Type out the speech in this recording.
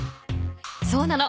そうなの。